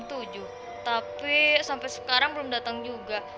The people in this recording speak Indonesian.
tapi sampai sekarang belum datang juga